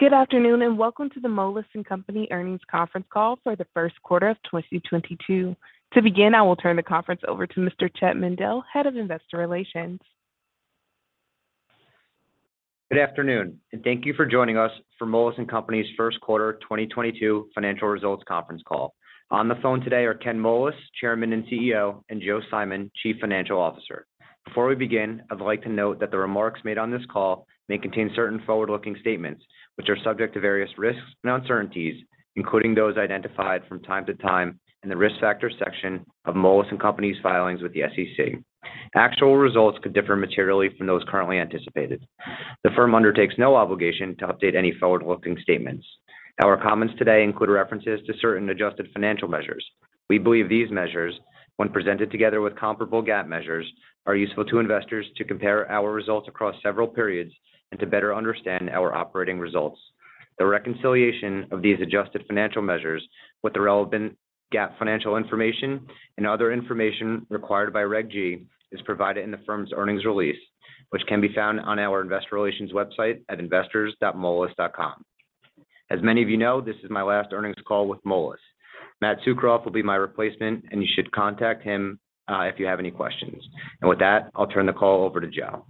Good afternoon, and welcome to the Moelis & Company earnings conference call for the first quarter of 2022. To begin, I will turn the conference over to Mr. Chett Mandel, Head of Investor Relations. Good afternoon, and thank you for joining us for Moelis & Company's first quarter 2022 financial results conference call. On the phone today are Ken Moelis, Chairman and CEO, and Joe Simon, Chief Financial Officer. Before we begin, I would like to note that the remarks made on this call may contain certain forward-looking statements, which are subject to various risks and uncertainties, including those identified from time to time in the Risk Factors section of Moelis & Company's filings with the SEC. Actual results could differ materially from those currently anticipated. The firm undertakes no obligation to update any forward-looking statements. Our comments today include references to certain adjusted financial measures. We believe these measures, when presented together with comparable GAAP measures, are useful to investors to compare our results across several periods and to better understand our operating results. The reconciliation of these adjusted financial measures with the relevant GAAP financial information and other information required by Reg G is provided in the firm's earnings release, which can be found on our investor relations website at investors.moelis.com. As many of you know, this is my last earnings call with Moelis. Matt Tsukroff will be my replacement, and you should contact him if you have any questions. With that, I'll turn the call over to Joe.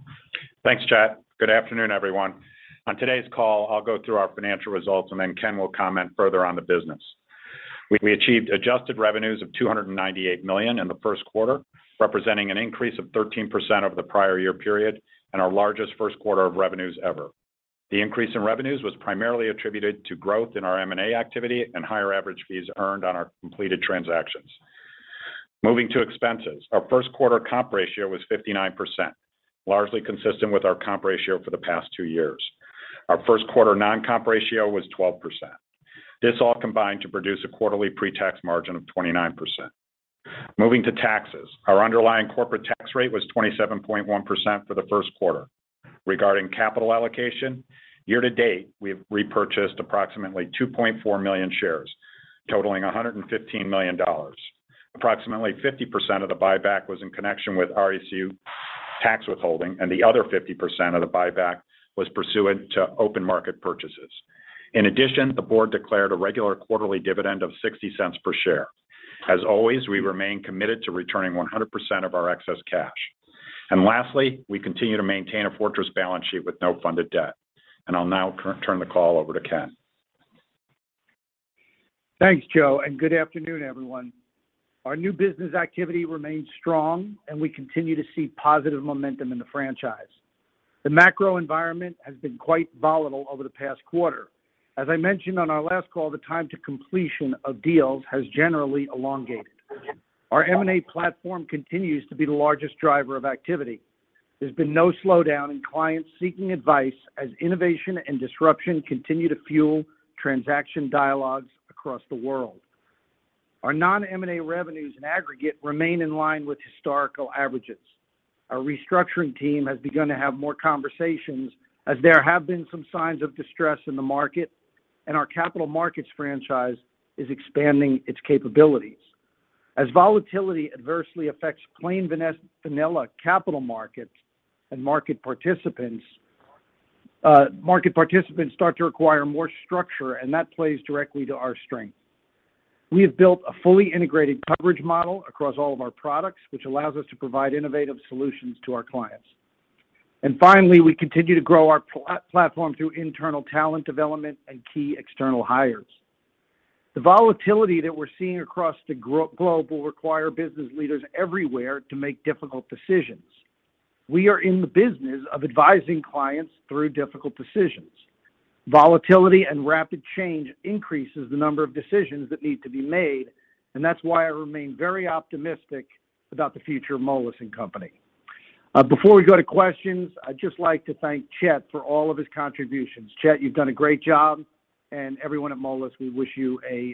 Thanks, Chett. Good afternoon, everyone. On today's call, I'll go through our financial results, and then Ken will comment further on the business. We achieved adjusted revenues of $298 million in the first quarter, representing an increase of 13% over the prior year period and our largest first quarter of revenues ever. The increase in revenues was primarily attributed to growth in our M&A activity and higher average fees earned on our completed transactions. Moving to expenses. Our first quarter comp ratio was 59%, largely consistent with our comp ratio for the past two years. Our first quarter non-comp ratio was 12%. This all combined to produce a quarterly pre-tax margin of 29%. Moving to taxes. Our underlying corporate tax rate was 27.1% for the first quarter. Regarding capital allocation, year-to-date, we've repurchased approximately 2.4 million shares, totaling $115 million. Approximately 50% of the buyback was in connection with RSU tax withholding, and the other 50% of the buyback was pursuant to open market purchases. In addition, the board declared a regular quarterly dividend of $0.60 per share. As always, we remain committed to returning 100% of our excess cash. Lastly, we continue to maintain a fortress balance sheet with no funded debt. I'll now turn the call over to Ken. Thanks, Joe, and good afternoon, everyone. Our new business activity remains strong, and we continue to see positive momentum in the franchise. The macro environment has been quite volatile over the past quarter. As I mentioned on our last call, the time to completion of deals has generally elongated. Our M&A platform continues to be the largest driver of activity. There's been no slowdown in clients seeking advice as innovation and disruption continue to fuel transaction dialogues across the world. Our non-M&A revenues in aggregate remain in line with historical averages. Our restructuring team has begun to have more conversations as there have been some signs of distress in the market, and our capital markets franchise is expanding its capabilities. As volatility adversely affects plain vanilla capital markets and market participants, market participants start to require more structure, and that plays directly to our strength. We have built a fully integrated coverage model across all of our products, which allows us to provide innovative solutions to our clients. Finally, we continue to grow our platform through internal talent development and key external hires. The volatility that we're seeing across the globe will require business leaders everywhere to make difficult decisions. We are in the business of advising clients through difficult decisions. Volatility and rapid change increases the number of decisions that need to be made, and that's why I remain very optimistic about the future of Moelis & Company. Before we go to questions, I'd just like to thank Chett for all of his contributions. Chett, you've done a great job, and everyone at Moelis, we wish you a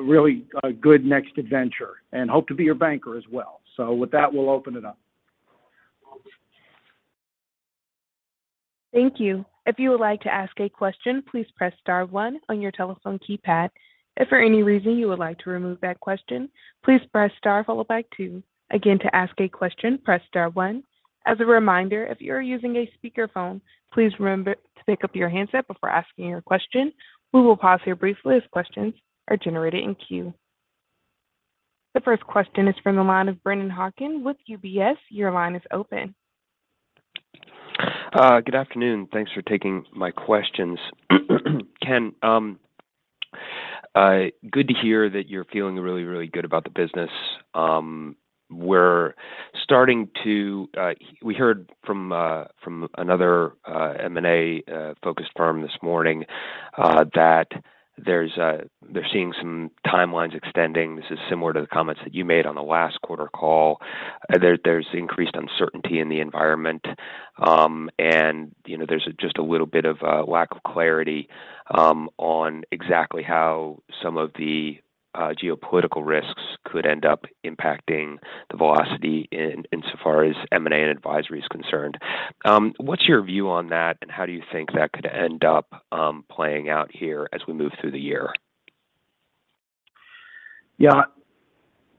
really good next adventure and hope to be your banker as well. With that, we'll open it up. Thank you. If you would like to ask a question, please press star-one on your telephone keypad. If for any reason you would like to remove that question, please press star followed by two. Again, to ask a question, press star-one. As a reminder, if you are using a speakerphone, please remember to pick up your handset before asking your question. We will pause here briefly as questions are generated in queue. The first question is from the line of Brennan Hawken with UBS. Your line is open. Good afternoon. Thanks for taking my questions. Ken, good to hear that you're feeling really good about the business. We heard from another M&A focused firm this morning that they're seeing some timelines extending. This is similar to the comments that you made on the last quarter call. There's increased uncertainty in the environment, and you know, there's just a little bit of lack of clarity on exactly how some of the geopolitical risks could end up impacting the velocity insofar as M&A and advisory is concerned. What's your view on that, and how do you think that could end up playing out here as we move through the year? Yeah.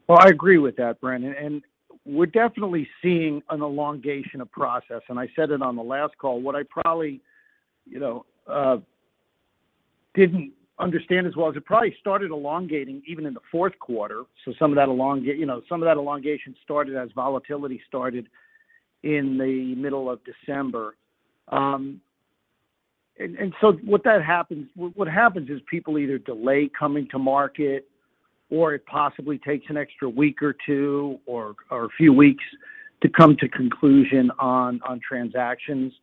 Well, I agree with that, Brennan, and we're definitely seeing an elongation of process, and I said it on the last call. What I probably, you know, didn't understand as well is it probably started elongating even in the fourth quarter, so some of that elongation started as volatility started in the middle of December. So what happens is people either delay coming to market, or it possibly takes an extra week or two or a few weeks to come to conclusion on transactions.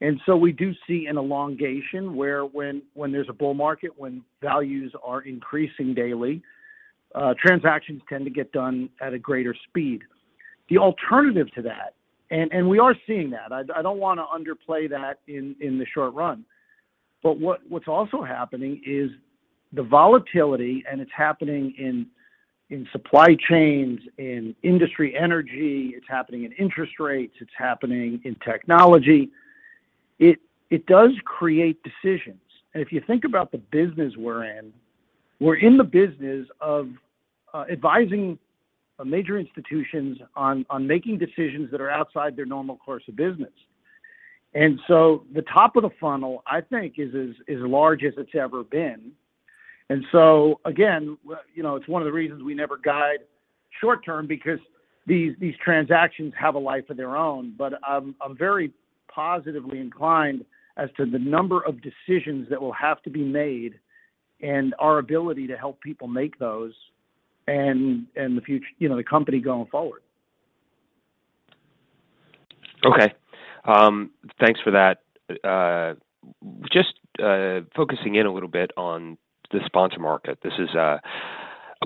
We do see an elongation where, when there's a bull market, when values are increasing daily, transactions tend to get done at a greater speed. The alternative to that, and we are seeing that. I don't want to underplay that in the short run. What's also happening is the volatility, and it's happening in supply chains, in industry energy, it's happening in interest rates, it's happening in technology. It does create decisions. If you think about the business we're in, we're in the business of advising major institutions on making decisions that are outside their normal course of business. The top of the funnel, I think, is as large as it's ever been. Again, you know, it's one of the reasons we never guide short-term because these transactions have a life of their own. I'm very positively inclined as to the number of decisions that will have to be made and our ability to help people make those and, you know, the company going forward. Okay. Thanks for that. Just focusing in a little bit on the sponsor market. This is a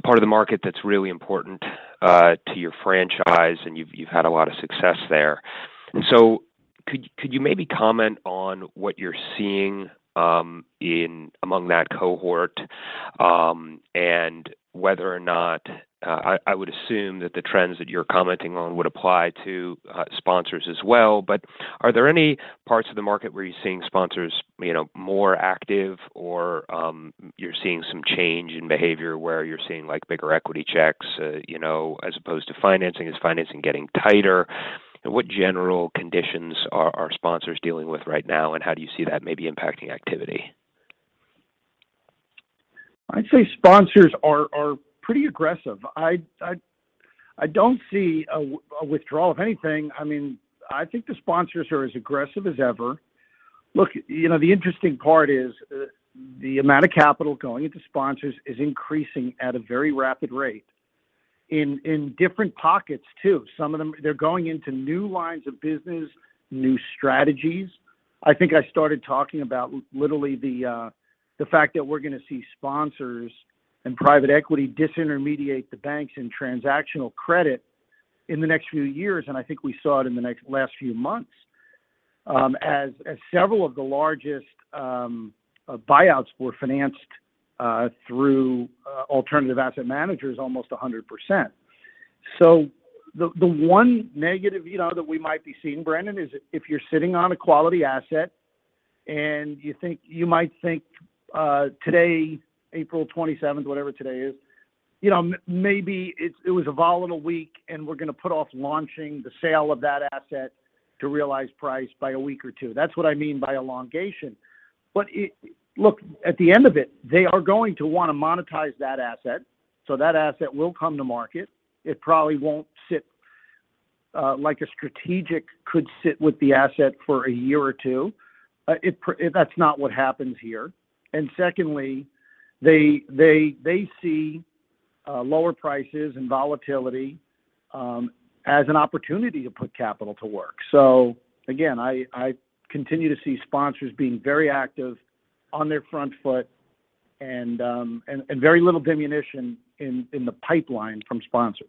part of the market that's really important to your franchise, and you've had a lot of success there. Could you maybe comment on what you're seeing in among that cohort, and whether or not I would assume that the trends that you're commenting on would apply to sponsors as well. Are there any parts of the market where you're seeing sponsors you know more active or you're seeing some change in behavior where you're seeing like bigger equity checks you know as opposed to financing? Is financing getting tighter? What general conditions are sponsors dealing with right now, and how do you see that maybe impacting activity? I'd say sponsors are pretty aggressive. I don't see a withdrawal of anything. I mean, I think the sponsors are as aggressive as ever. Look, you know, the interesting part is, the amount of capital going into sponsors is increasing at a very rapid rate in different pockets too. Some of them, they're going into new lines of business, new strategies. I think I started talking about literally the fact that we're going to see sponsors and private equity disintermediate the banks in transactional credit in the next few years, and I think we saw it in the last few months, as several of the largest buyouts were financed through alternative asset managers almost 100%. The one negative, you know, that we might be seeing, Brennan, is if you're sitting on a quality asset and you might think today, April 27th, whatever today is, you know, it was a volatile week, and we're going to put off launching the sale of that asset to realize price by a week or two. That's what I mean by elongation. It. Look, at the end of it, they are going to want to monetize that asset, so that asset will come to market. It probably won't sit like a strategic could sit with the asset for a year or two. That's not what happens here. Secondly, they see lower prices and volatility as an opportunity to put capital to work. Again, I continue to see sponsors being very active on their front foot and very little diminution in the pipeline from sponsors.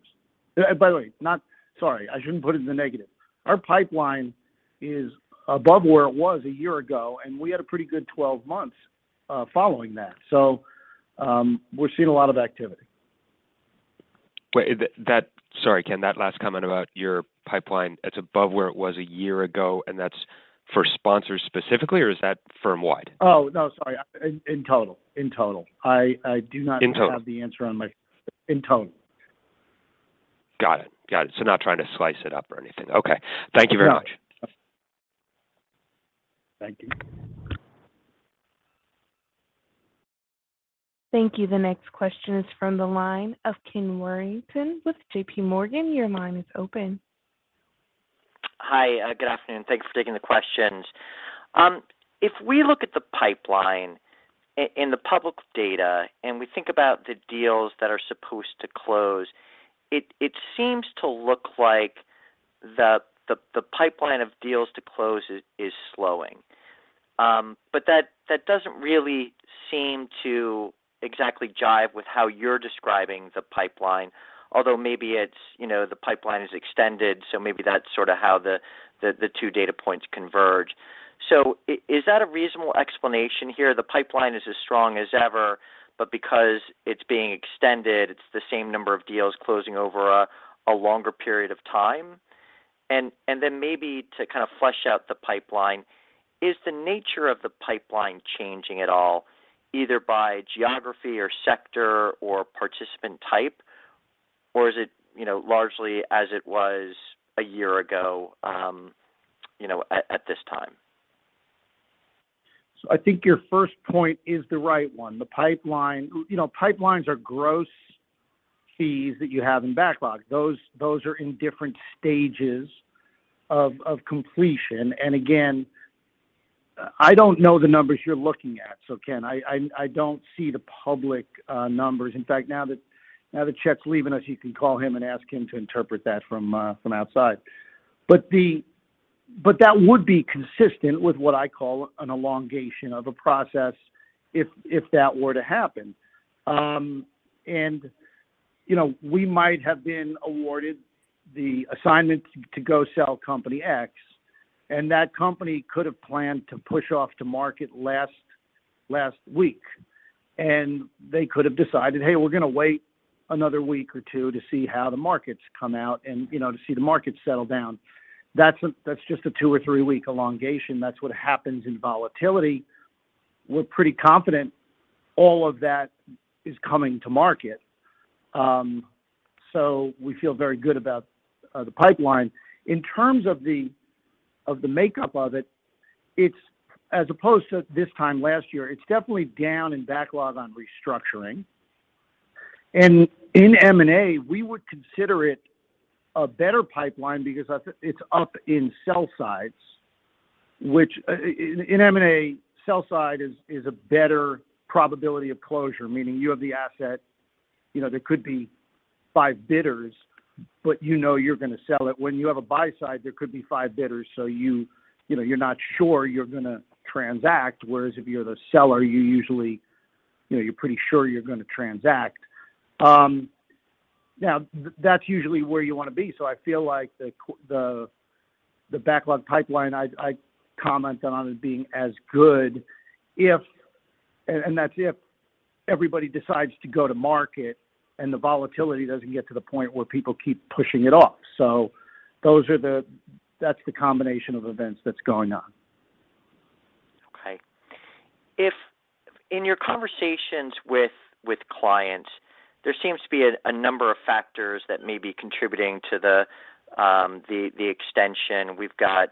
By the way, sorry, I shouldn't put it in the negative. Our pipeline is above where it was a year ago, and we had a pretty good twelve months following that. We're seeing a lot of activity. Sorry, Ken, that last comment about your pipeline, it's above where it was a year ago, and that's for sponsors specifically, or is that firm-wide? No, sorry. In total. I do not have the answer on that, in total. Got it. Not trying to slice it up or anything. Okay. Thank you very much. Thank you. Thank you. The next question is from the line of Ken Worthington with JPMorgan. Your line is open. Hi. Good afternoon. Thanks for taking the questions. If we look at the pipeline in the public data and we think about the deals that are supposed to close, it seems to look like the pipeline of deals to close is slowing. But that doesn't really seem to exactly jive with how you're describing the pipeline. Although maybe it's, you know, the pipeline is extended, so maybe that's sorta how the two data points converge. Is that a reasonable explanation here? The pipeline is as strong as ever, but because it's being extended, it's the same number of deals closing over a longer period of time? Maybe to kind of flesh out the pipeline, is the nature of the pipeline changing at all, either by geography or sector or participant type, is it, you know, largely as it was a year ago, you know, at this time? I think your first point is the right one. The pipeline. Pipelines are gross fees that you have in backlog. Those are in different stages of completion. Again, I don't know the numbers you're looking at, Ken. I don't see the public numbers. In fact, now that Chett's leaving us, you can call him and ask him to interpret that from outside. That would be consistent with what I call an elongation of a process if that were to happen. We might have been awarded the assignment to go sell Company X, and that company could have planned to push off to market last week. They could have decided, "Hey, we're going to wait another week or two to see how the markets come out and, you know, to see the market settle down." That's just a two or three-week elongation. That's what happens in volatility. We're pretty confident all of that is coming to market. So we feel very good about the pipeline. In terms of the makeup of it's as opposed to this time last year, it's definitely down in backlog on restructuring. In M&A, we would consider it a better pipeline because it's up in sell sides, which in M&A, sell side is a better probability of closure, meaning you have the asset, you know, there could be five bidders, but you know you're going to sell it. When you have a buy side, there could be five bidders, so you know, you're not sure you're going to transact, whereas if you're the seller, you usually know, you're pretty sure you're going to transact. Now, that's usually where you want to be. I feel like the backlog pipeline, I commented on it being as good if that's if everybody decides to go to market and the volatility doesn't get to the point where people keep pushing it off. That's the combination of events that's going on. Okay. If in your conversations with clients, there seems to be a number of factors that may be contributing to the extension. We've got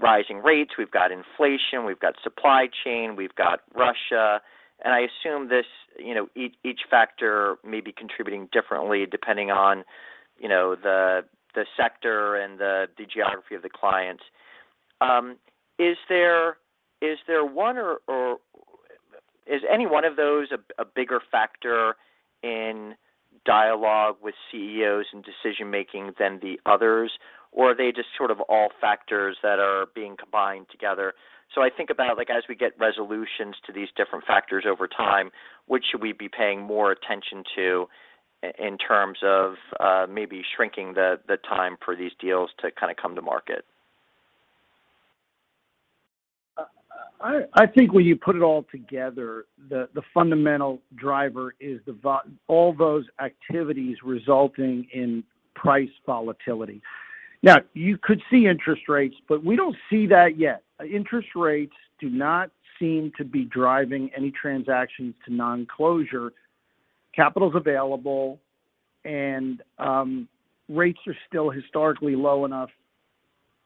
rising rates, we've got inflation, we've got supply chain, we've got Russia, and I assume this, you know, each factor may be contributing differently depending on, you know, the sector and the geography of the client. Is any one of those a bigger factor in dialogue with CEOs and decision-making than the others? Or are they just sort of all factors that are being combined together? I think about, like, as we get resolutions to these different factors over time, which should we be paying more attention to in terms of maybe shrinking the time for these deals to kind of come to market? I think when you put it all together, the fundamental driver is all those activities resulting in price volatility. Now, you could see interest rates, but we don't see that yet. Interest rates do not seem to be driving any transactions to non-closure. Capital's available and rates are still historically low enough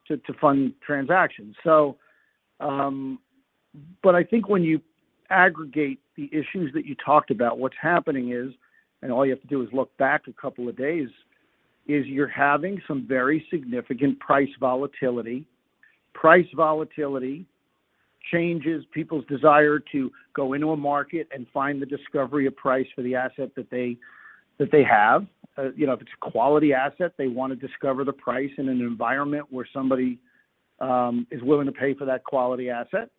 to fund transactions. But I think when you aggregate the issues that you talked about, what's happening is, and all you have to do is look back a couple of days, is you're having some very significant price volatility. Price volatility changes people's desire to go into a market and find the discovery of price for the asset that they have. You know, if it's a quality asset, they want to discover the price in an environment where somebody is willing to pay for that quality asset.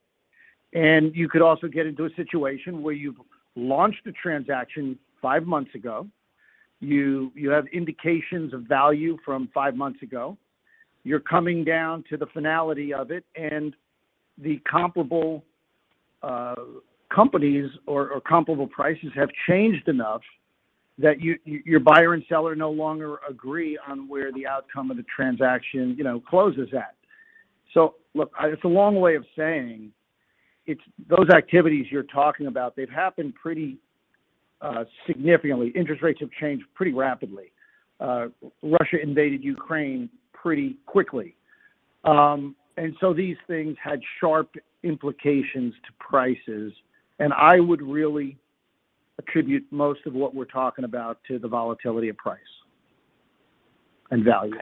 You could also get into a situation where you've launched a transaction five months ago. You have indications of value from five months ago. You're coming down to the finality of it, and the comparable companies or comparable prices have changed enough that your buyer and seller no longer agree on where the outcome of the transaction, you know, closes at. Look, it's a long way of saying it's those activities you're talking about, they've happened pretty significantly. Interest rates have changed pretty rapidly. Russia invaded Ukraine pretty quickly. These things had sharp implications to prices, and I would really attribute most of what we're talking about to the volatility of price and value.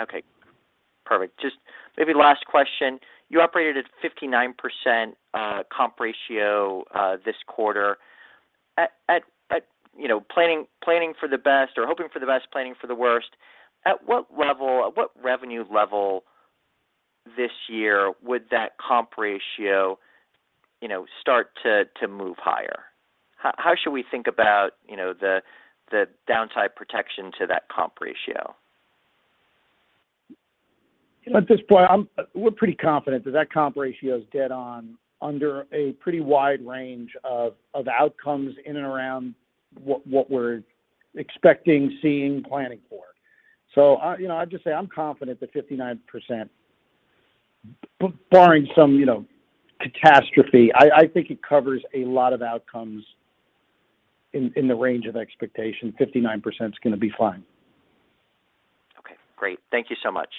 Okay. Perfect. Just maybe last question. You operated at 59%, comp ratio, this quarter. You know, planning for the best or hoping for the best, planning for the worst, at what level, at what revenue level this year would that comp ratio, you know, start to move higher? How should we think about, you know, the downside protection to that comp ratio? At this point we're pretty confident that that comp ratio is dead on under a pretty wide range of outcomes in and around what we're expecting, seeing, planning for. I you know, I'd just say I'm confident that 59% barring some, you know, catastrophe, I think it covers a lot of outcomes in the range of expectation. 59% is going to be fine. Okay, great. Thank you so much.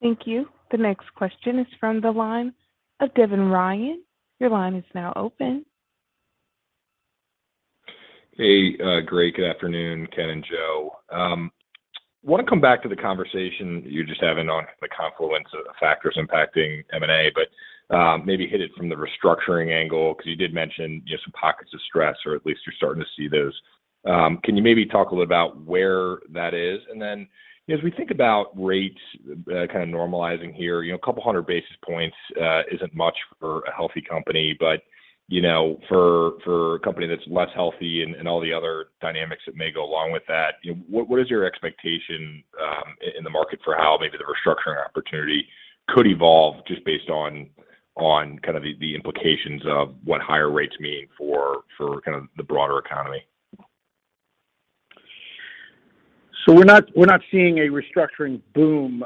Thank you. The next question is from the line of Devin Ryan. Your line is now open. Hey, great. Good afternoon, Ken and Joe. Want to come back to the conversation you were just having on the confluence of factors impacting M&A, but maybe hit it from the restructuring angle 'cause you did mention just pockets of stress, or at least you're starting to see those. Can you maybe talk a little about where that is? As we think about rates kind of normalizing here, you know, 200 basis points isn't much for a healthy company but, you know, for a company that's less healthy and all the other dynamics that may go along with that, you know, what is your expectation in the market for how maybe the restructuring opportunity could evolve just based on kind of the implications of what higher rates mean for kind of the broader economy? We're not seeing a restructuring boom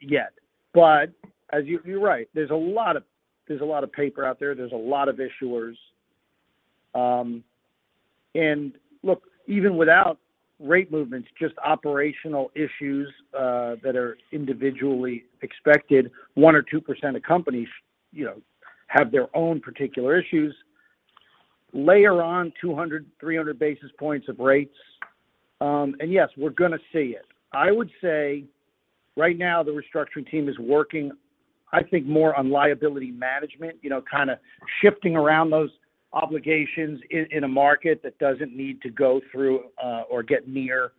yet. You're right, there's a lot of paper out there. There's a lot of issuers. Look, even without rate movements, just operational issues that are individually expected, 1% or 2% of companies, you know, have their own particular issues. Layer on 200, 300 basis points of rates, and yes, we're going to see it. I would say right now the restructuring team is working, I think, more on liability management, you know, kind of shifting around those obligations in a market that doesn't need to go through or get near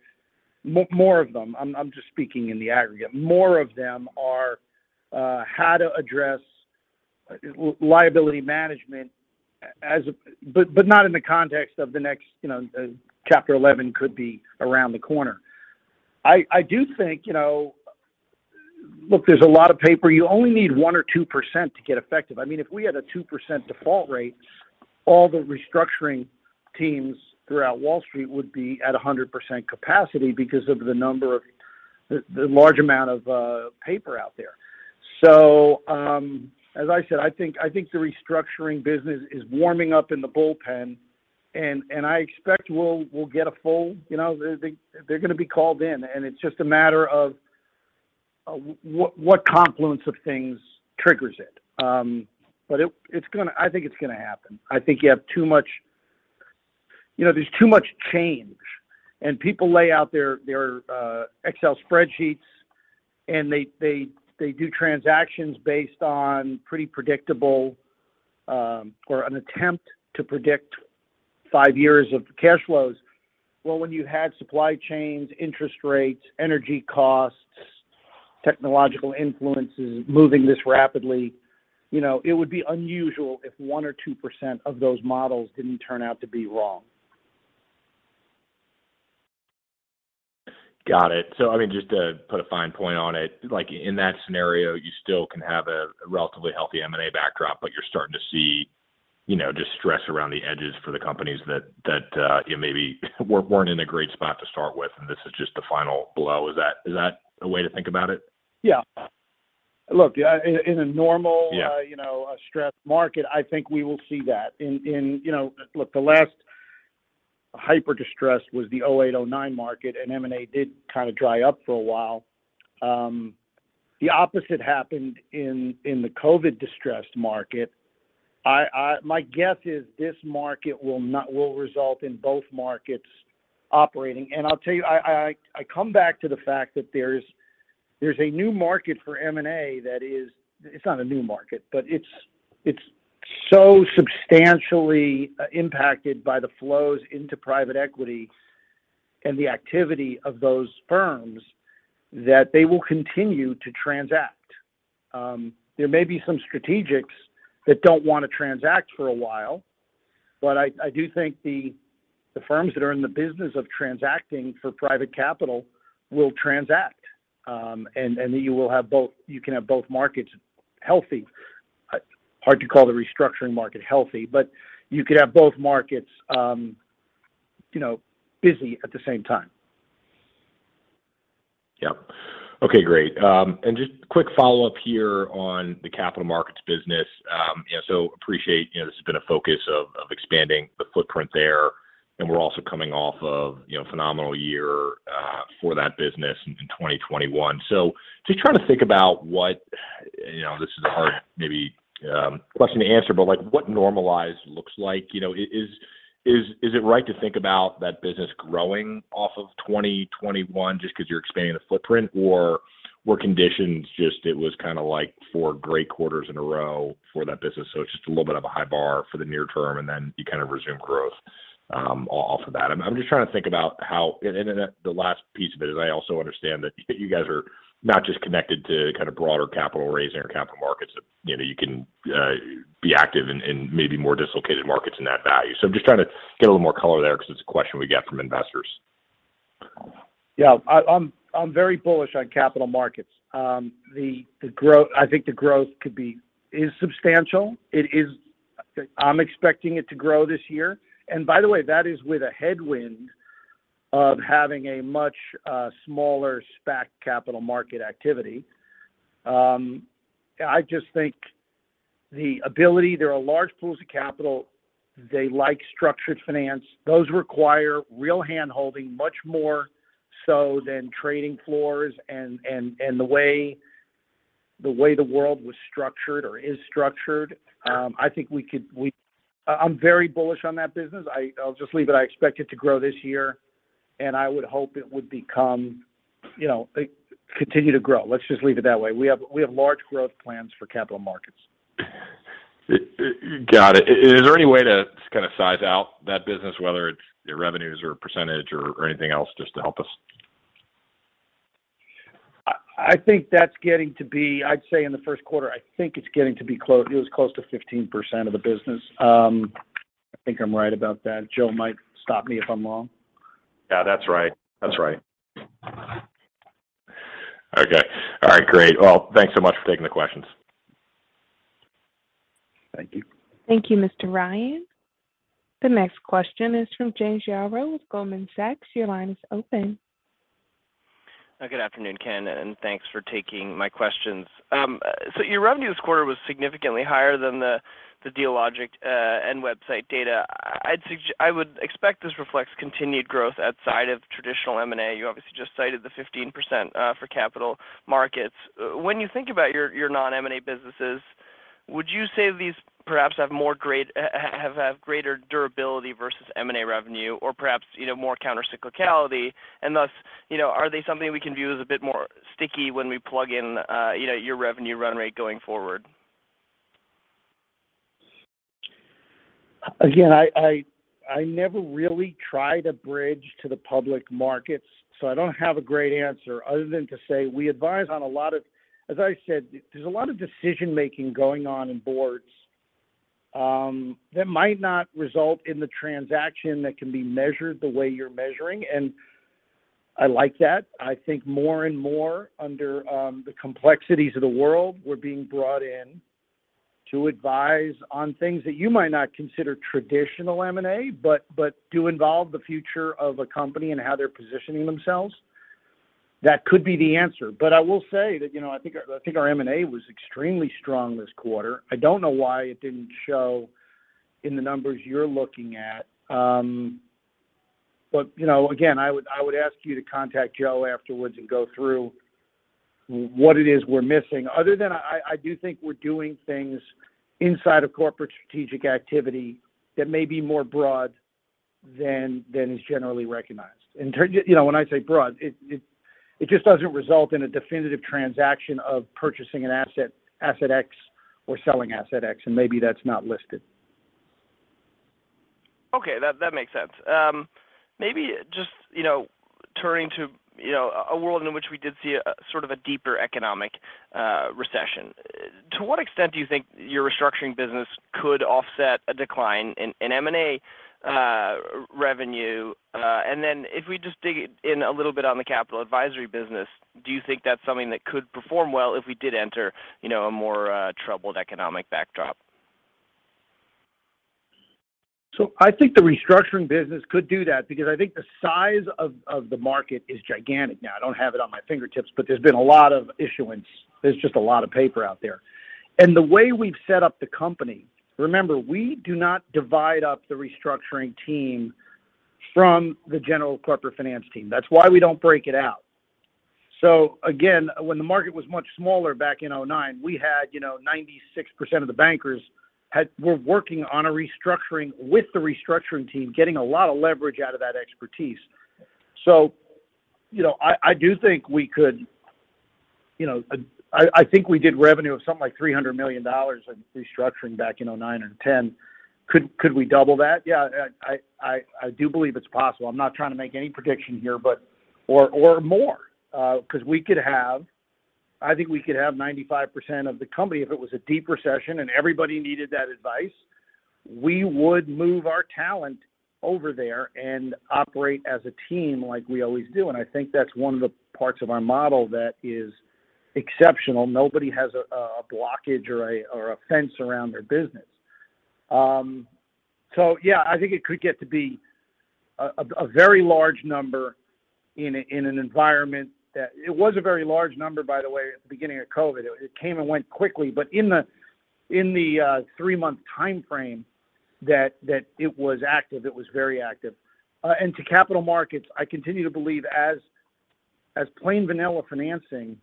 more of them. I'm just speaking in the aggregate. More of them are how to address liability management but not in the context of the next, you know, Chapter 11 could be around the corner. I do think, you know, look, there's a lot of paper. You only need 1% or 2% to get effective. I mean, if we had a 2% default rate, all the restructuring teams throughout Wall Street would be at 100% capacity because of the number of the large amount of paper out there. As I said, I think the restructuring business is warming up in the bullpen, and I expect we'll get a full, you know, they're going to be called in, and it's just a matter of what confluence of things triggers it. It's going to, I think it's going to happen. You know, there's too much change, and people lay out their Excel spreadsheets, and they do transactions based on pretty predictable, or an attempt to predict five years of cash flows. Well, when you have supply chains, interest rates, energy costs, technological influences moving this rapidly, you know, it would be unusual if 1% or 2% of those models didn't turn out to be wrong. Got it. I mean, just to put a fine point on it, like in that scenario, you still can have a relatively healthy M&A backdrop, but you're starting to see, you know, just stress around the edges for the companies that, you know, maybe weren't in a great spot to start with, and this is just the final blow. Is that a way to think about it? Yeah. Look, in a normal, you know, stressed market, I think we will see that. In you know, look, the last hyper distressed was the 2008, 2009 market, and M&A did kind of dry up for a while. The opposite happened in the COVID distressed market. My guess is this market will result in both markets operating. I'll tell you, I come back to the fact that there's a new market for M&A that is, it's not a new market, but it's so substantially impacted by the flows into private equity and the activity of those firms that they will continue to transact. There may be some strategics that don't want to transact for a while, but I do think the firms that are in the business of transacting for private capital will transact. You can have both markets healthy. Hard to call the restructuring market healthy, but you could have both markets, you know, busy at the same time. Yep. Okay, great. Just a quick follow-up here on the capital markets business. You know, I appreciate, you know, this has been a focus of expanding the footprint there, and we're also coming off of, you know, a phenomenal year for that business in 2021. Just trying to think about what, you know, this is a hard, maybe, question to answer, but like what normalized looks like. You know, is it right to think about that business growing off of 2021 just because you're expanding the footprint? Or were conditions just that it was kind of like four great quarters in a row for that business, so it's just a little bit of a high bar for the near-term, and then you kind of resume growth off of that? I'm just trying to think about how. The last piece of it is I also understand that you guys are not just connected to kind of broader capital raising or capital markets that, you know, you can be active in maybe more dislocated markets in that value. I'm just trying to get a little more color there because it's a question we get from investors. Yeah, I'm very bullish on capital markets. The growth is substantial. I'm expecting it to grow this year. By the way, that is with a headwind of having a much smaller SPAC capital market activity. I just think there are large pools of capital. They like structured finance. Those require real hand-holding much more so than trading floors and the way the world was structured or is structured. I think I'm very bullish on that business. I'll just leave it. I expect it to grow this year, and I would hope it would become, you know, continue to grow. Let's just leave it that way. We have large growth plans for capital markets. Got it. Is there any way to kind of size out that business, whether it's your revenues or percentage or anything else just to help us? I think that's getting to be. I'd say in the first quarter, I think it was close to 15% of the business. I think I'm right about that. Joe might stop me if I'm wrong. Yeah, that's right. That's right. Okay. All right, great. Well, thanks so much for taking the questions. Thank you. Thank you, Mr. Ryan. The next question is from James Yaro with Goldman Sachs. Your line is open. Good afternoon, Ken, and thanks for taking my questions. So your revenue this quarter was significantly higher than the Dealogic and website data. I would expect this reflects continued growth outside of traditional M&A. You obviously just cited the 15% for capital markets. When you think about your non-M&A businesses, would you say these perhaps have greater durability versus M&A revenue or perhaps, you know, more countercyclicality? Thus, you know, are they something we can view as a bit more sticky when we plug in your revenue run rate going forward? I never really tried a bridge to the public markets, so I don't have a great answer other than to say we advise on a lot of, as I said, there's a lot of decision-making going on in boards that might not result in the transaction that can be measured the way you're measuring, and I like that. I think more and more under the complexities of the world, we're being brought in to advise on things that you might not consider traditional M&A, but do involve the future of a company and how they're positioning themselves. That could be the answer. I will say that, you know, I think our M&A was extremely strong this quarter. I don't know why it didn't show in the numbers you're looking at. You know, again, I would ask you to contact Joe afterwards and go through what it is we're missing, other than I do think we're doing things inside of corporate strategic activity that may be more broad than is generally recognized. In terms of, you know, when I say broad, it just doesn't result in a definitive transaction of purchasing an asset X or selling asset X, and maybe that's not listed. Okay, that makes sense. Maybe just, you know, turning to, you know, a world in which we did see a sort of a deeper economic recession. To what extent do you think your restructuring business could offset a decline in M&A revenue? If we just dig in a little bit on the capital advisory business, do you think that's something that could perform well if we did enter, you know, a more troubled economic backdrop? I think the restructuring business could do that because I think the size of the market is gigantic. Now, I don't have it on my fingertips, but there's been a lot of issuance. There's just a lot of paper out there. The way we've set up the company, remember, we do not divide up the restructuring team from the general corporate finance team. That's why we don't break it out. Again, when the market was much smaller back in 2009, we had, you know, 96% of the bankers were working on a restructuring with the restructuring team, getting a lot of leverage out of that expertise. I think we did revenue of something like $300 million in restructuring back in 2009 and 2010. Could we double that? Yeah, I do believe it's possible. I'm not trying to make any prediction here, 'cause we could have. I think we could have 95% of the company if it was a deep recession and everybody needed that advice. We would move our talent over there and operate as a team like we always do. I think that's one of the parts of our model that is exceptional. Nobody has a blockage or a fence around their business. Yeah, I think it could get to be a very large number in an environment that. It was a very large number, by the way, at the beginning of COVID. It came and went quickly. In the three-month timeframe that it was active, it was very active. To capital markets, I continue to believe that plain vanilla financing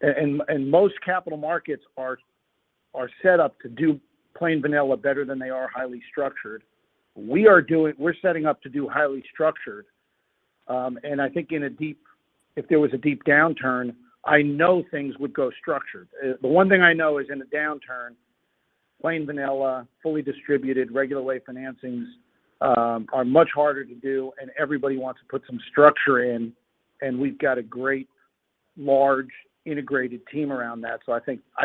and most capital markets are set up to do plain vanilla better than they are highly structured. We're setting up to do highly structured, and I think if there was a deep downturn, I know things would go structured. The one thing I know is in a downturn, plain vanilla, fully distributed, regular way financings are much harder to do, and everybody wants to put some structure in, and we've got a great large integrated team around that. I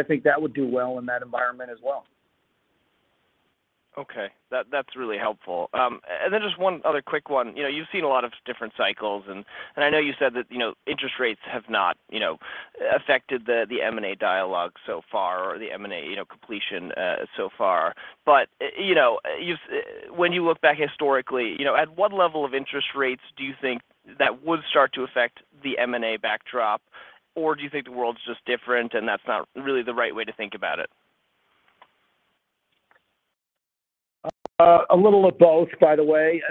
think that would do well in that environment as well. Okay. That's really helpful. Just one other quick one. You know, you've seen a lot of different cycles, and I know you said that, you know, interest rates have not, you know, affected the M&A dialogue so far or the M&A, you know, completion so far. You know, when you look back historically, you know, at what level of interest rates do you think that would start to affect the M&A backdrop? Do you think the world's just different, and that's not really the right way to think about it? A little of both, by the way.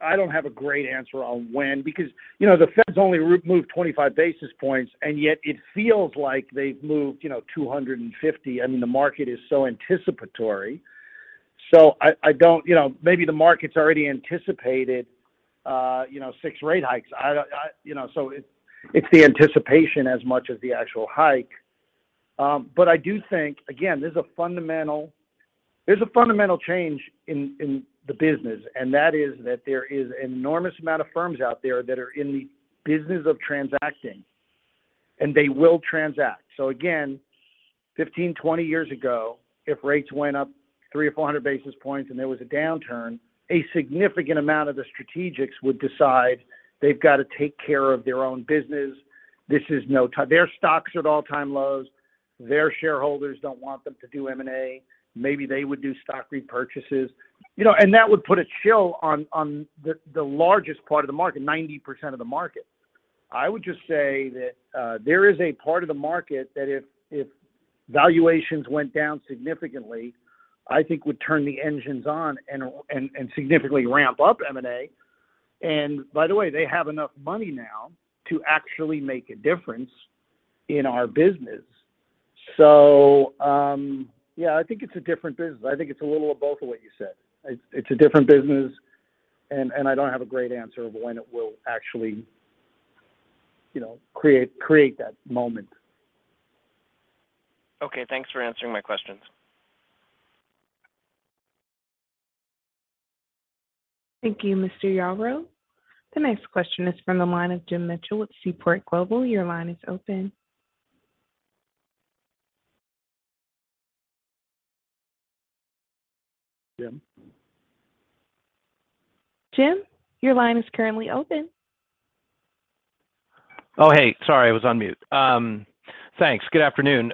I don't have a great answer on when because, you know, the Fed's only removed 25 basis points, and yet it feels like they've moved, you know, 250. I mean, the market is so anticipatory. You know, maybe the market's already anticipated, you know, six rate hikes. You know, it's the anticipation as much as the actual hike. I do think, again, there's a fundamental change in the business, and that is that there is enormous amount of firms out there that are in the business of transacting, and they will transact. Again, 15, 20 years ago, if rates went up 300 or 400 basis points and there was a downturn, a significant amount of the strategics would decide they've got to take care of their own business. Their stocks are at all-time lows. Their shareholders don't want them to do M&A. Maybe they would do stock repurchases. You know, and that would put a chill on the largest part of the market, 90% of the market. I would just say that there is a part of the market that if valuations went down significantly, I think would turn the engines on and significantly ramp up M&A. By the way, they have enough money now to actually make a difference in our business. Yeah, I think it's a different business. I think it's a little of both of what you said. It's a different business, and I don't have a great answer of when it will actually, you know, create that moment. Okay, thanks for answering my questions. Thank you, Mr. Yaro. The next question is from the line of Jim Mitchell with Seaport Global. Your line is open. Jim? Jim, your line is currently open. Hey. Sorry, I was on mute. Thanks. Good afternoon.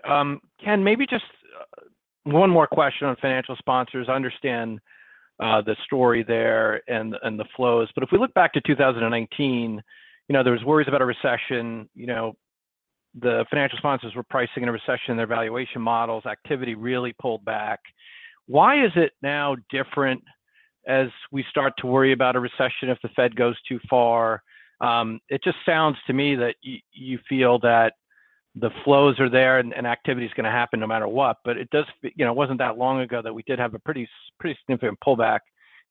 Ken, maybe just one more question on financial sponsors. I understand the story there and the flows. But if we look back to 2019, you know, there was worries about a recession. You know, the financial sponsors were pricing in a recession, their valuation models, activity really pulled back. Why is it now different as we start to worry about a recession if the Fed goes too far? It just sounds to me that you feel that the flows are there and activity is going to happen no matter what but it does. You know, it wasn't that long ago that we did have a pretty significant pullback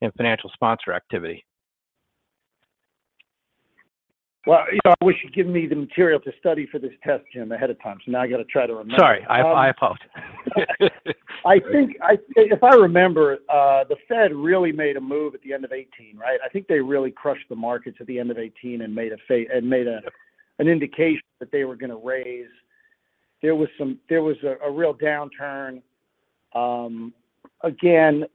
in financial sponsor activity. Well, you know, I wish you'd given me the material to study for this test, Jim, ahead of time. Now I got to try to remember. Sorry. I apologize. I think if I remember, the Fed really made a move at the end of 2018, right? I think they really crushed the markets at the end of 2018 and made an indication that they were going to raise, there was a real downturn. Again,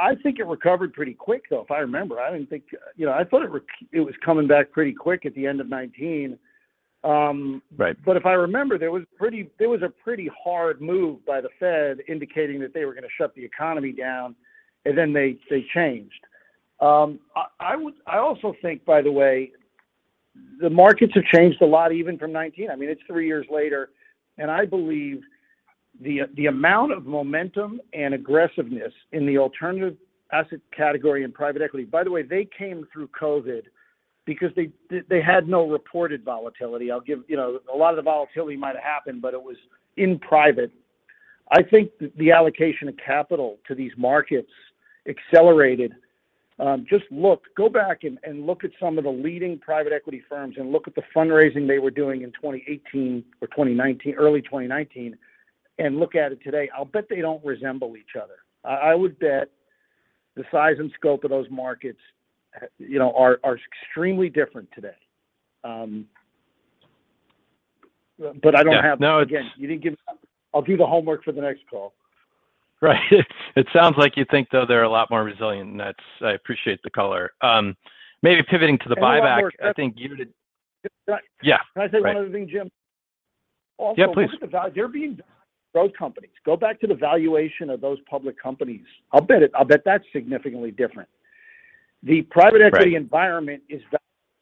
I think it recovered pretty quick, though, if I remember. I didn't think, you know, I thought it was coming back pretty quick at the end of 2019. If I remember, there was a pretty hard move by the Fed indicating that they were going to shut the economy down, and then they changed. I also think, by the way, the markets have changed a lot even from 2019. I mean, it's three years later, and I believe the amount of momentum and aggressiveness in the alternative asset category and private equity. By the way, they came through COVID because they had no reported volatility. You know, a lot of the volatility might have happened, but it was in private. I think the allocation of capital to these markets accelerated. Go back and look at some of the leading private equity firms and look at the fundraising they were doing in 2018 or early 2019, and look at it today. I'll bet they don't resemble each other. I would bet the size and scope of those markets, you know, are extremely different today. I'll do the homework for the next call. Right. It sounds like you think, though, they're a lot more resilient. That's. I appreciate the color. Maybe pivoting to the buyback. One more. Can I say one other thing, Jim? Yeah, please. Also, look at those companies. Go back to the valuation of those public companies. I'll bet that's significantly different. The private equity environment sees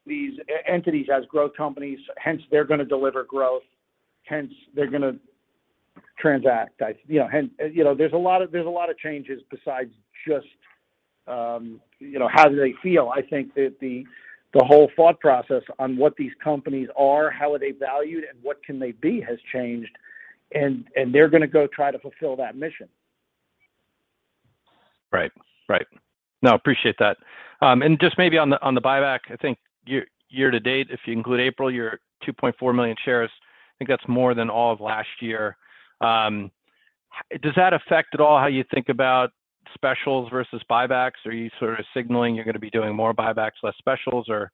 these entities as growth companies, hence they're going to deliver growth, hence they're going to transact. You know, there's a lot of changes besides just, you know, how do they feel. I think that the whole thought process on what these companies are, how are they valued, and what can they be has changed, and they're going to go try to fulfill that mission. Right. No, appreciate that. Just maybe on the buyback, I think year-to-date, if you include April, your 2.4 million shares, I think that's more than all of last year. Does that affect at all how you think about specials versus buybacks? Are you sort of signaling you're going to be doing more buybacks, less specials, or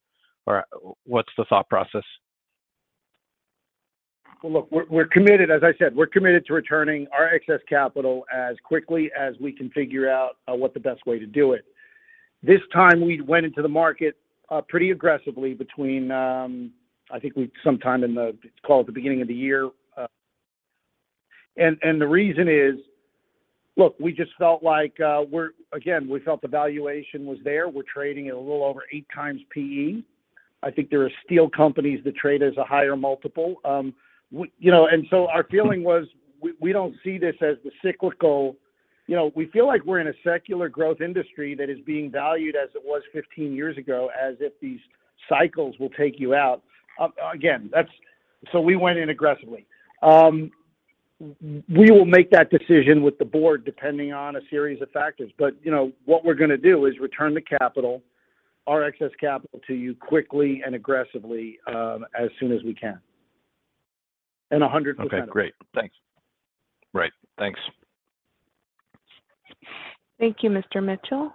what's the thought process? Well, look, we're committed, as I said, we're committed to returning our excess capital as quickly as we can figure out what the best way to do it. This time, we went into the market pretty aggressively between, I think, sometime in the beginning of the year. The reason is, look, we just felt like we're. Again, we felt the valuation was there. We're trading at a little over 8x PE. I think there are steel companies that trade at a higher multiple. You know, and so our feeling was we don't see this as the cyclical. You know, we feel like we're in a secular growth industry that is being valued as it was 15 years ago, as if these cycles will take you out. Again, we went in aggressively. We will make that decision with the board depending on a series of factors. You know, what we're going to do is return the capital, our excess capital to you quickly and aggressively, as soon as we can. 100% of it. Okay, great. Thanks. Right. Thanks. Thank you, Mr. Mitchell.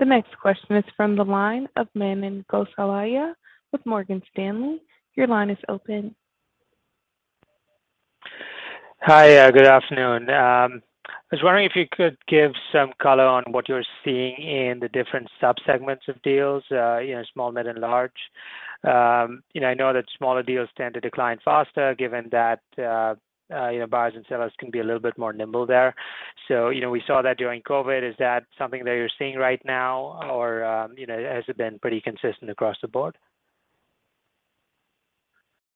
The next question is from the line of Manan Gosalia with Morgan Stanley. Your line is open. Hi. Good afternoon. I was wondering if you could give some color on what you're seeing in the different subsegments of deals, you know, small, mid, and large. You know, I know that smaller deals tend to decline faster given that, you know, buyers and sellers can be a little bit more nimble there. You know, we saw that during COVID. Is that something that you're seeing right now or, you know, has it been pretty consistent across the board?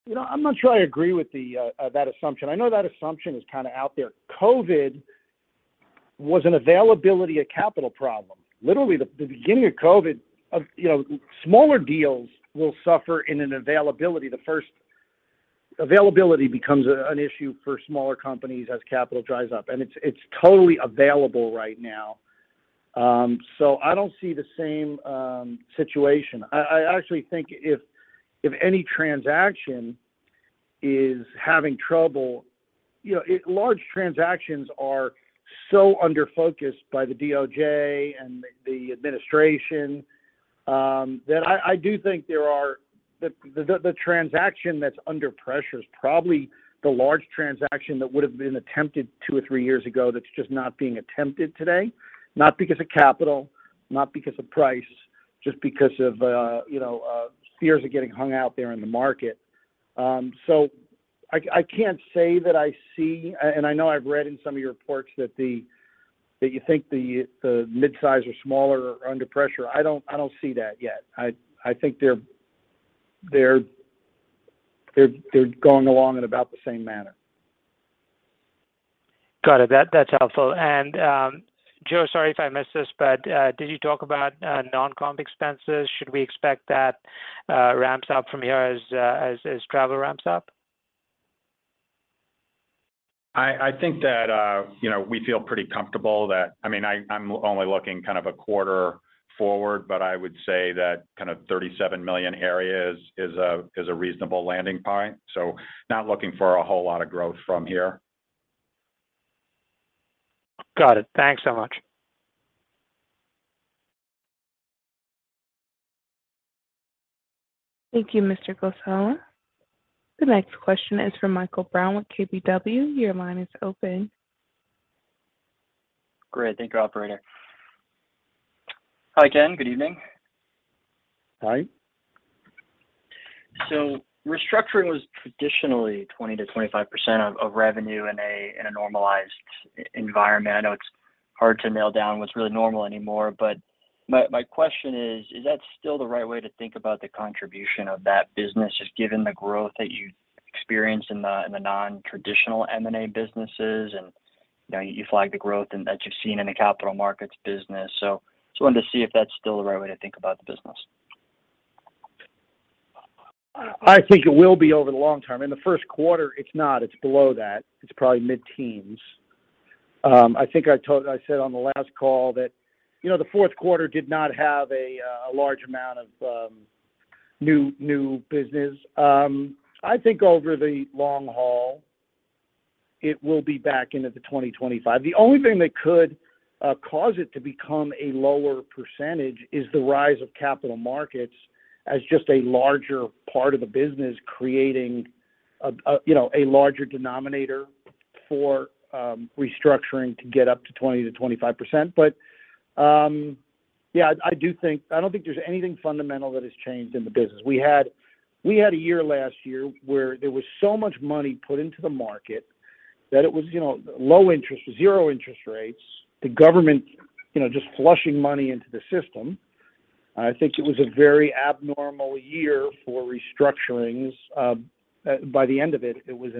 You know, I'm not sure I agree with that assumption. I know that assumption is kind of out there. COVID was an availability of capital problem. Literally, the beginning of COVID, you know. Smaller deals will suffer in an availability. Availability becomes an issue for smaller companies as capital dries up, and it's totally available right now. I don't see the same situation. I actually think if any transaction is having trouble, you know, large transactions are so under focused by the DOJ and the administration that I do think there are the specific transaction that's under pressure is probably the large transaction that would've been attempted two or three years ago that's just not being attempted today, not because of capital, not because of price, just because of you know fears of getting hung out there in the market. I can't say that I see. I know I've read in some of your reports that you think the midsize or smaller are under pressure. I don't see that yet. I think they're going along in about the same manner. Got it. That's helpful. Joe, sorry if I missed this, but did you talk about non-comp expenses? Should we expect that ramps up from here as travel ramps up? I think that, you know, we feel pretty comfortable that I mean, I'm only looking kind of a quarter forward, but I would say that kind of $37 million area is a reasonable landing point. Not looking for a whole lot of growth from here. Got it. Thanks so much. Thank you, Mr. Gosalia. The next question is from Michael Brown with KBW. Your line is open. Great. Thank you, operator. Hi, Ken. Good evening. Hi. Restructuring was traditionally 20%-25% of revenue in a normalized environment. I know it's hard to nail down what's really normal anymore, but my question is that still the right way to think about the contribution of that business, just given the growth that you experienced in the non-traditional M&A businesses? You know, you flagged the growth in that you've seen in the capital markets business. Just wanted to see if that's still the right way to think about the business. I think it will be over the long-term. In the first quarter, it's not. It's below that. It's probably mid-teens. I think I said on the last call that, you know, the fourth quarter did not have a large amount of new business. I think over the long haul, it will be back into the 20%, 25%. The only thing that could cause it to become a lower percentage is the rise of capital markets as just a larger part of the business, creating a larger denominator for restructuring to get up to 20%-25%. Yeah, I do think. I don't think there's anything fundamental that has changed in the business. We had a year last year where there was so much money put into the market that it was, you know, low interest, zero interest rates, the government, you know, just flushing money into the system. I think it was a very abnormal year for restructurings. By the end of it was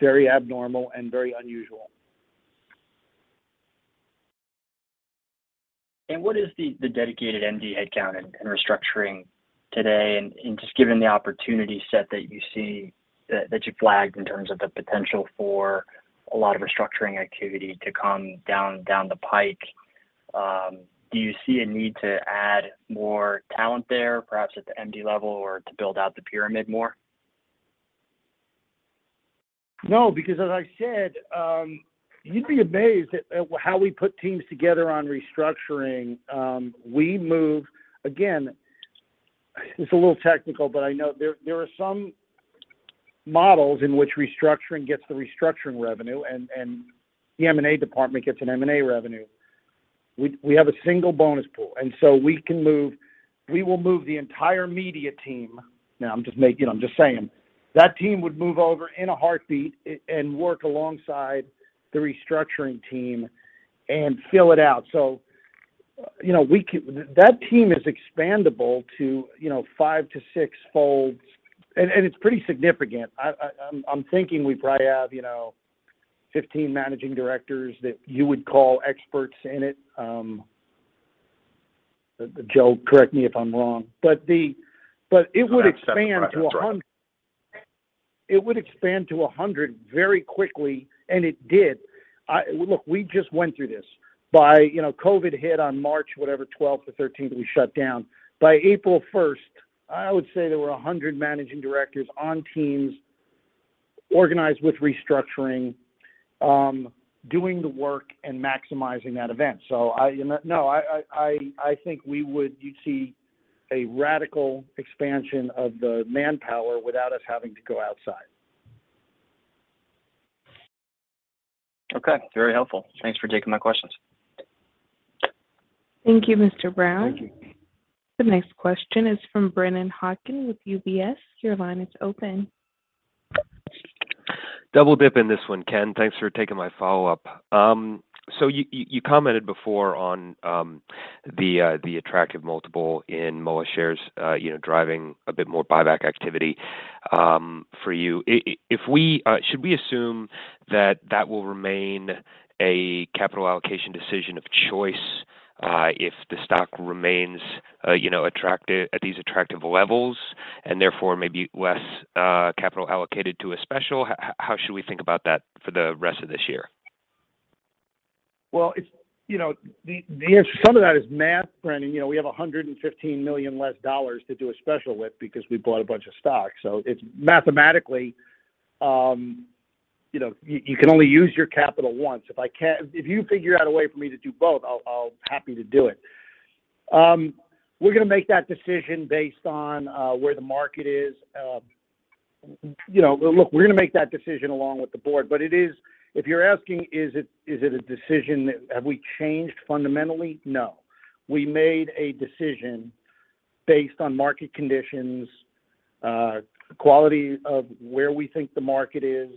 very abnormal and very unusual. What is the dedicated MD headcount in restructuring today? Just given the opportunity set that you see, that you flagged in terms of the potential for a lot of restructuring activity to come down the pike, do you see a need to add more talent there, perhaps at the MD level or to build out the pyramid more? No, because as I said, you'd be amazed at how we put teams together on restructuring. Again, it's a little technical, but I know there are some models in which restructuring gets the restructuring revenue and the M&A department gets an M&A revenue. We have a single bonus pool, and so we will move the entire media team. Now, I'm just saying, that team would move over in a heartbeat and work alongside the restructuring team and fill it out. You know, we can. That team is expandable to, you know, five to six-folds. It's pretty significant. I'm thinking we probably have, you know, 15 managing directors that you would call experts in it. Joe, correct me if I'm wrong. About seven directors, right. It would expand to 100 very quickly, and it did. Look, we just went through this. By, you know, COVID hit on March, whatever, 12th or 13th, we shut down. By April 1st, I would say there were 100 managing directors on teams organized with restructuring doing the work and maximizing that event. You know, I think you'd see a radical expansion of the manpower without us having to go outside. Okay, very helpful. Thanks for taking my questions. Thank you, Mr. Brown. The next question is from Brennan Hawken with UBS. Your line is open. Double dip in this one, Ken. Thanks for taking my follow-up. So you commented before on the attractive multiple in Moelis shares, you know, driving a bit more buyback activity for you. Should we assume that will remain a capital allocation decision of choice, if the stock remains, you know, attractive at these attractive levels, and therefore maybe less capital allocated to a special? How should we think about that for the rest of this year? Well, it's you know, some of that is math, Brennan. You know, we have $115 million less dollars to do a special with because we bought a bunch of stocks. It's mathematically, you know, you can only use your capital once. If you figure out a way for me to do both, I'll be happy to do it. We're going to make that decision based on where the market is. You know, look, we're going to make that decision along with the board. If you're asking, is it a decision. Have we changed fundamentally? No. We made a decision based on market conditions, quality of where we think the market is.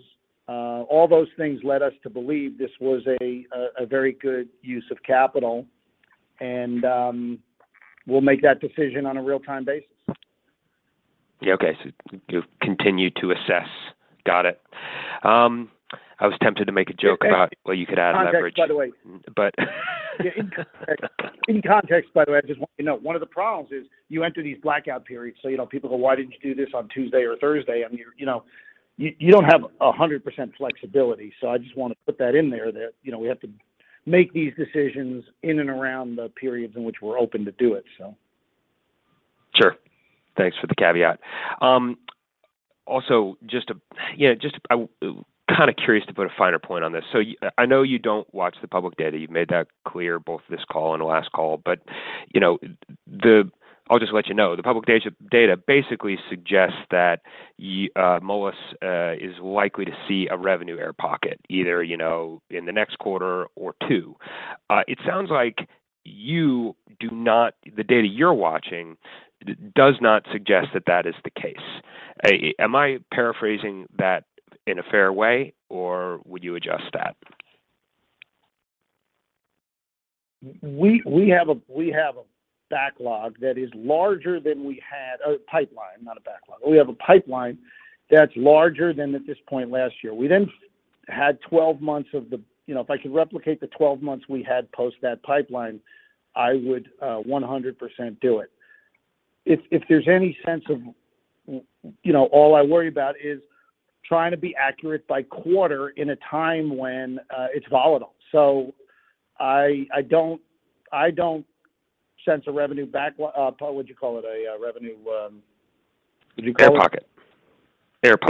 All those things led us to believe this was a very good use of capital, and we'll make that decision on a real-time basis. Yeah, okay. You'll continue to assess. Got it. I was tempted to make a joke about, well, you could add leverage. Yeah, in context. In context, by the way, I just want you to know, one of the problems is you enter these blackout periods, so you know, people go, "Why didn't you do this on Tuesday or Thursday?" I mean, you know, you don't have 100% flexibility. I just want to put that in there that, you know, we have to make these decisions in and around the periods in which we're open to do it, so. Sure. Thanks for the caveat. Also, you know, just kind of curious to put a finer point on this. I know you don't watch the public data. You've made that clear both this call and the last call. You know, I'll just let you know, the public data basically suggests that Moelis is likely to see a revenue air pocket, either, you know, in the next quarter or two. It sounds like the data you're watching does not suggest that that is the case. Am I paraphrasing that in a fair way, or would you adjust that? We have a backlog that is larger than we had. A pipeline, not a backlog. We have a pipeline that's larger than at this point last year. We then had twelve months. You know, if I could replicate the twelve months we had post that pipeline, I would 100% do it. You know, all I worry about is trying to be accurate by quarter in a time when it's volatile. I don't sense a revenue, what would you call it? A revenue, what would you call it? Air pocket.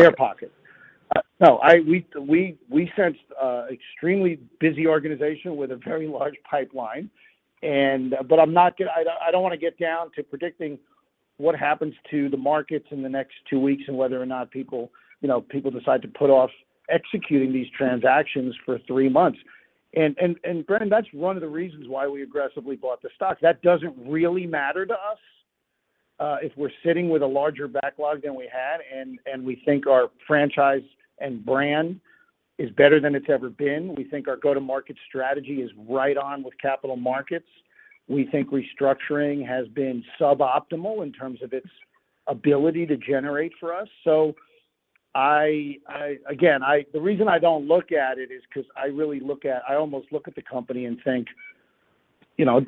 Air pocket. No, we sensed an extremely busy organization with a very large pipeline. I'm not going to get down to predicting what happens to the markets in the next two weeks and whether or not people, you know, people decide to put off executing these transactions for three months. Brennan, that's one of the reasons why we aggressively bought the stock. That doesn't really matter to us if we're sitting with a larger backlog than we had, and we think our franchise and brand is better than it's ever been. We think our go-to-market strategy is right on with capital markets. We think restructuring has been suboptimal in terms of its ability to generate for us. The reason I don't look at it is because I almost look at the company and think, you know,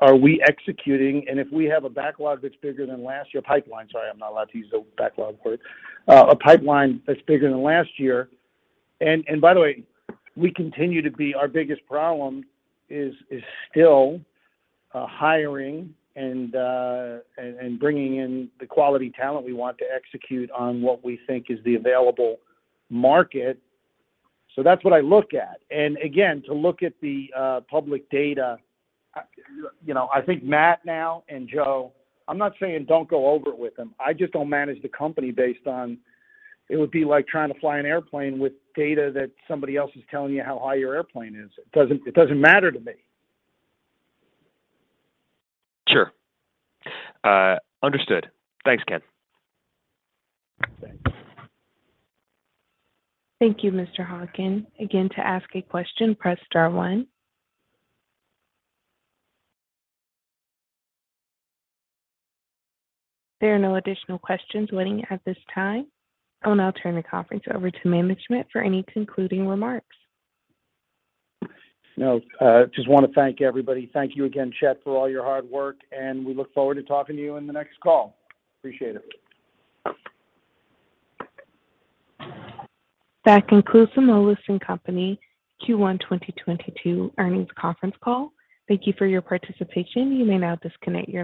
are we executing? If we have a pipeline that's bigger than last year, sorry, I'm not allowed to use the backlog word. By the way, we continue to be. Our biggest problem is still hiring and bringing in the quality talent we want to execute on what we think is the available market. That's what I look at. Again, to look at the public data, you know, I think Matt and Joe, I'm not saying don't go over it with them. I just don't manage the company based on it. It would be like trying to fly an airplane with data that somebody else is telling you how high your airplane is. It doesn't matter to me. Sure. Understood. Thanks, Ken. Thank you, Mr. Hawken. Again, to ask a question, press star-one. There are no additional questions waiting at this time. I'll now turn the conference over to management for any concluding remarks. No, just want to thank everybody. Thank you again, Chett, for all your hard work, and we look forward to talking to you in the next call. Appreciate it. That concludes the Moelis & Company Q1 2022 earnings conference call. Thank you for your participation. You may now disconnect your line.